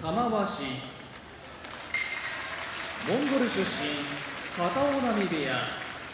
玉鷲モンゴル出身片男波部屋